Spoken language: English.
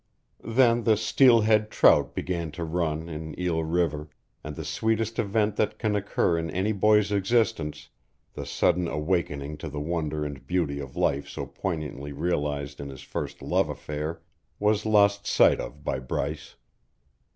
Then the steelhead trout began to run in Eel River, and the sweetest event that can occur in any boy's existence the sudden awakening to the wonder and beauty of life so poignantly realized in his first love affair was lost sight of by Bryce.